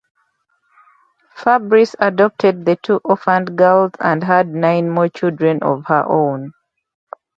Fabris adopted the two orphaned girls and had nine more children of her own.